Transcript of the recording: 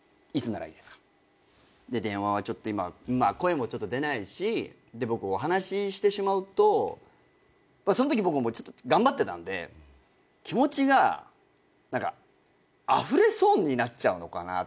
電話はちょっと今声も出ないしで僕お話してしまうとそんとき僕も頑張ってたんで気持ちが何かあふれそうになっちゃうのかなとか。